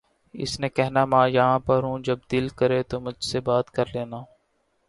اسے کہنا ماں یہاں پر ہوں جب دل کرے تو مجھ سے بات کر لینا